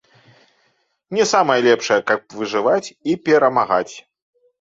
Не самая лепшая, каб выжываць і перамагаць.